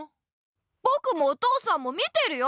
ぼくもお父さんも見てるよ！